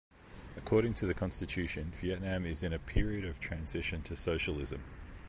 According to the Constitution, Vietnam is in a period of transition to socialism.